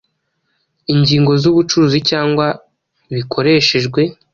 ingingo zubucuruzi cyangwa bikoreshejwe